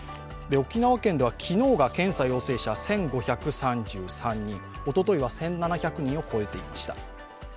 沖縄県では昨日が検査陽性者、１５３３人、おとといは１７００人を超えていました。